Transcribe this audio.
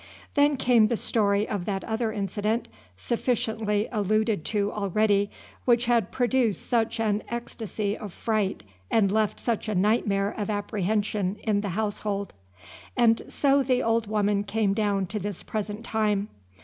Then came the story of that other incident, sufficiently alluded to already, which had produced such an ecstasy of fright and left such a nightmare of apprehension in the household. And so the old woman came down to this present time.